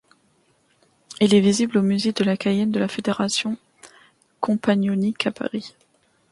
Il est visible au Musée de la Cayenne de la Fédération Compagnonnique, à Paris.